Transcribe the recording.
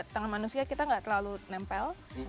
tangan manusia kita juga tidak terlalu nempel